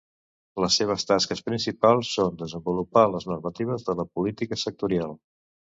Les seves tasques principals són desenvolupar les normatives de la política sectorial.